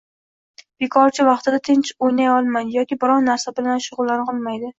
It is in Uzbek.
bekorchi vaqtida tinch o‘ynay olmaydi yoki biron narsa bilan shug‘ullana olmaydi